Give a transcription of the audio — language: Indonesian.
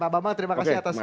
pak bambang terima kasih atas